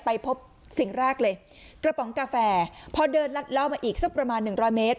ไปพบสิ่งแรกเลยกระป๋องกาแฟพอเดินลัดเล่ามาอีกสักประมาณหนึ่งร้อยเมตร